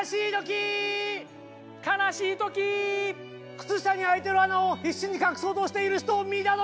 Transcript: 靴下に開いてる穴を必死に隠そうとしている人を見た時。